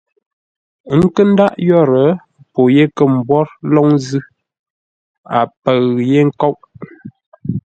Ə́ nkə́ ndáʼ yórə́, pô yé kə̂ mbwór lóŋ zʉ́, a pə̂ʉ yé nkóʼ.